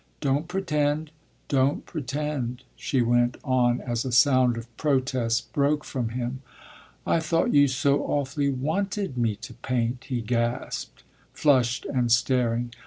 "Don't pretend, don't pretend!" she went on as a sound of protest broke from him. "I thought you so awfully wanted me to paint," he gasped, flushed and staring.